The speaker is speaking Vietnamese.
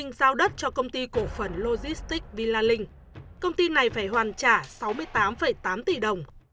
dân tp hcm giao đất cho công ty cổ phần logistics villa linh công ty này phải hoàn trả sáu mươi tám tám tỷ đồng